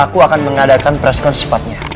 aku akan mengadakan preskonsupatnya